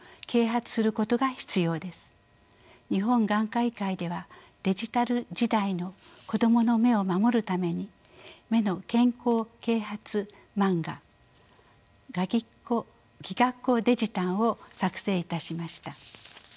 日本眼科医会ではデジタル時代の子どもの目を守るために目の健康啓発漫画「ギガッこデジたん」を作成いたしました。